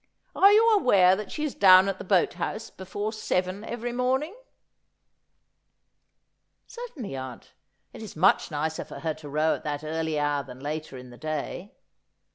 Are you aware that she is down at the boat house before seven every morn ing ?'' Certainly, aunt. It is much nicer for her to row at that early hour than later in the day.